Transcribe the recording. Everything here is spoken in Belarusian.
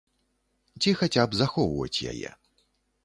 Ці хаця б захоўваць яе.